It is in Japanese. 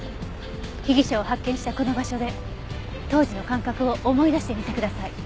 被疑者を発見したこの場所で当時の感覚を思い出してみてください。